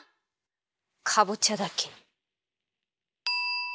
かぼちゃだけに！